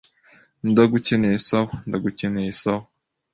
Ndagukeneye sawa, ndagukeneye sawa